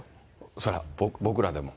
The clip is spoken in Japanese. それは、僕らでも。